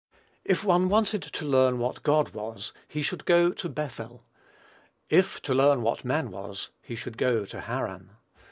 If one wanted to learn what God was, he should go to Bethel; if to learn what man was, he should go to Haran.